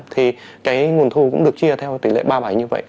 thì cái nguồn thu cũng được chia theo tỷ lệ ba bảy như vậy